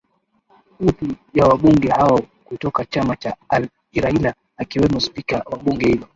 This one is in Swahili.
uthi ya wabunge hao kutoka chama cha al iraila akiwemo spika wa bunge hilo